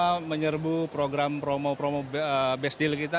jadi kita sudah menerbu program promo promo best deal kita